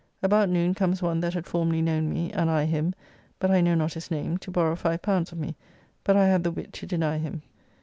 About noon comes one that had formerly known me and I him, but I know not his name, to borrow L5 of me, but I had the wit to deny him.